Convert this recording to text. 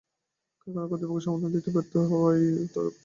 কারখানা কর্তৃপক্ষ সমাধান দিতে ব্যর্থ হওয়ায় তাঁরা বিকেলের দিকে বাড়ি চলে যান।